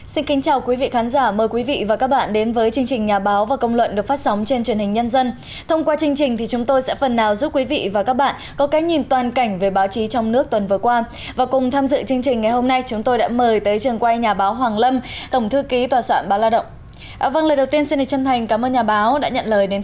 xin lời đầu tiên xin hãy chân thành cảm ơn nhà báo đã nhận lời đến tham dự chương trình